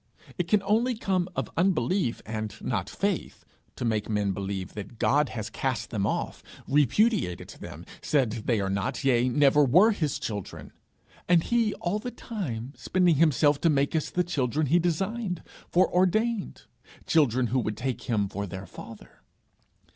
It can come only of unbelief and not faith, to make men believe that God has cast them off, repudiated them, said they are not, yea never were, his children and he all the time spending himself to make us the children he designed, foreordained children who would take him for their Father!